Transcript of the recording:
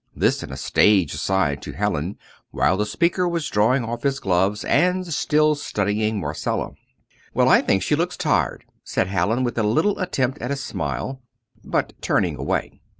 this in a stage aside to Hallin, while the speaker was drawing off his gloves, and still studying Marcella. "Well, I think she looks tired," said Hallin, with a little attempt at a smile, but turning away.